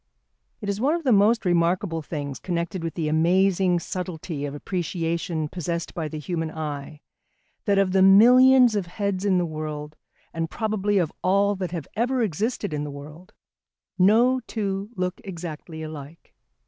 It is one of the most remarkable things connected with the amazing subtlety of appreciation possessed by the human eye, that of the millions of heads in the world, and probably of all that have ever existed in the world, no two look exactly alike.